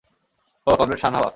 ওহ, comrade সান হাওয়া।